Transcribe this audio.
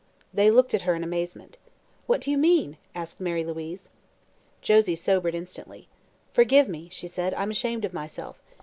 They looked at her in amazement. "What do you mean?" asked Mary Louise. Josie sobered instantly. "Forgive me," she said; "I'm ashamed of myself.